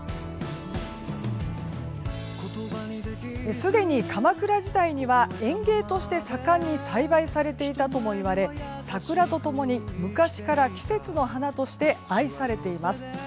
すでに鎌倉時代には園芸として盛んに栽培されたとも言われ桜と共に昔から季節の花として愛されています。